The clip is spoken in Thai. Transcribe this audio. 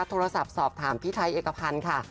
โทรศัพท์สอบถามพี่ไทยเอกพันธ์ค่ะ